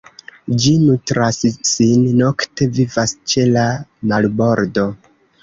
Ĝi nutras sin nokte, vivas ĉe la marbordo.